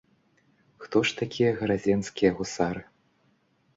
Хто ж такія гарадзенскія гусары?